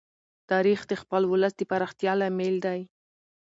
تاریخ د خپل ولس د پراختیا لامل دی.